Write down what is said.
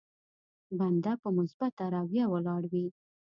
بنده په مثبته رويه ولاړ وي.